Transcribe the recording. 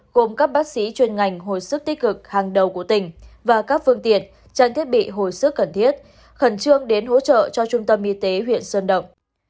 gồm các bác sĩ chuyên ngành hồi sức tích cực hàng đầu của tỉnh và các phương tiện trang thiết bị hồi sức cần thiết khẩn trương đến hỗ trợ cho trung tâm y tế huyện sơn động